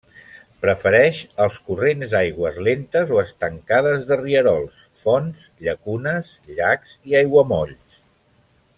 Prefereix els corrents d'aigües lentes o estancades de rierols, fonts, llacunes, llacs i aiguamolls.